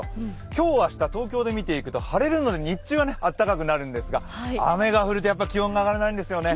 今日明日、東京で見ていくと晴れるので日中はあったかくなるんですが、雨が降ると気温が上がらないんですよね。